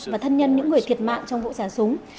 và thân nhân những người thiệt mạng trong vụ xả súng